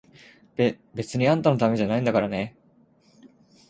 べ、別にあんたのためじゃないんだからね！